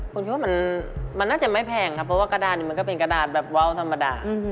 ผมคิดว่ามันน่าจะไม่แพงครับเพราะว่ากระดาษนี้มันก็เป็นกระดาษแบบวาวธรรมดา